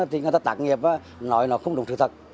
thì người ta tác nghiệp nói nó không đúng sự thật